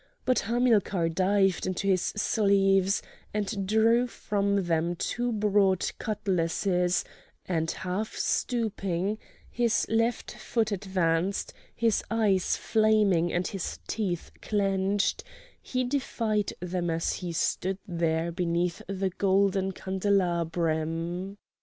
But Hamilcar dived into his sleeves and drew from them two broad cutlasses; and half stooping, his left foot advanced, his eyes flaming and his teeth clenched, he defied them as he stood there beneath the golden candelabrum.